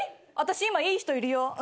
私今いい人いるよ。